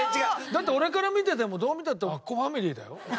だって俺から見ててもどう見たってアッコファミリーだよ。